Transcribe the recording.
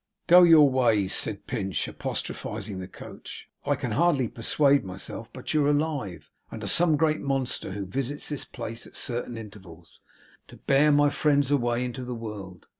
'Go your ways,' said Pinch, apostrophizing the coach; 'I can hardly persuade myself but you're alive, and are some great monster who visits this place at certain intervals, to bear my friends away into the world.